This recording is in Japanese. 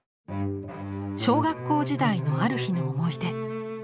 小学校時代のある日の思い出。